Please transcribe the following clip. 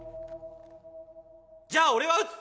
じゃあ俺は撃つ。